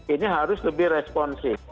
ini harus lebih responsif